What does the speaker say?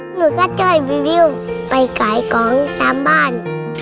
หนูก็ทำให้วิวิวไปกายของตามบ้าน